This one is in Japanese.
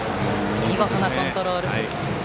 見事なコントロールです。